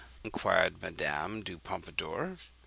inquired Madame du Pompadour.